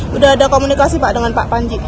sudah ada komunikasi pak dengan pak panji